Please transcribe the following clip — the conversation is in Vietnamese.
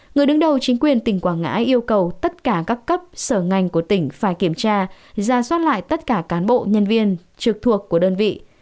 người đứng đầu chính quyền tỉnh quảng ngãi yêu cầu tất cả các cấp sở ngành của tỉnh phải kiểm tra ra soát lại tất cả cán bộ nhân viên trực thuộc của đơn vị